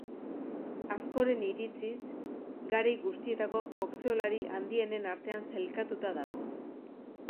Askoren iritziz, garai guztietako boxeolari handienen artean sailkatuta dago.